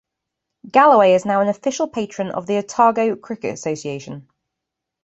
Gallaway is now official patron of the Otago Cricket Association.